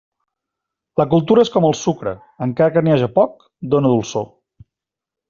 La cultura és com el sucre; encara que n'hi haja poc dóna dolçor.